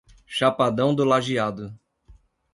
Chapadão do Lageado